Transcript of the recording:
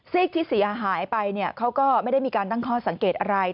ที่เสียหายไปเขาก็ไม่ได้มีการตั้งข้อสังเกตอะไร